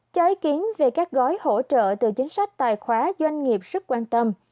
cho ý kiến về các gói hỗ trợ từ chính sách tài khoá doanh nghiệp rất quan tâm